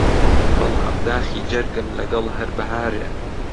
بەڵام داخی جەرگم لەگەڵ هەر بەهارێ